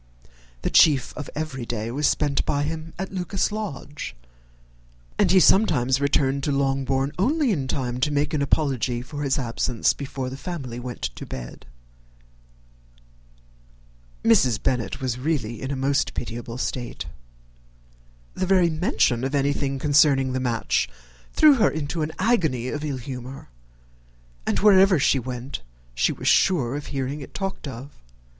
The chief of every day was spent by him at Lucas Lodge, and he sometimes returned to Longbourn only in time to make an apology for his absence before the family went to bed. [Illustration: "Whenever she spoke in a low voice" ] Mrs. Bennet was really in a most pitiable state. The very mention of anything concerning the match threw her into an agony of ill humour, and wherever she went she was sure of hearing it talked of.